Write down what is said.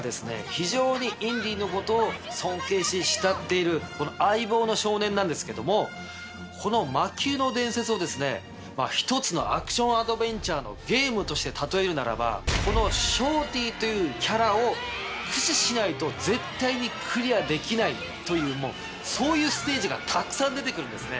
非常にインディのことを尊敬し慕っている相棒の少年なんですけどもこの『魔宮の伝説』をですね１つのアクションアドベンチャーのゲームとして例えるならばこのショーティというキャラを駆使しないと絶対にクリアできないというそういうステージがたくさん出て来るんですね。